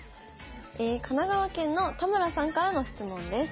神奈川県の田村さんからの質問です。